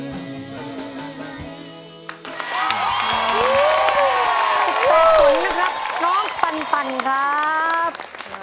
สับสนนะครับน้องปั่นครับ